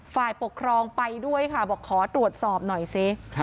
ฝ่ายปกครองไปด้วยค่ะบอกขอตรวจสอบหน่อยสิ